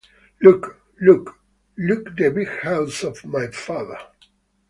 Look, look, look the big house of my father.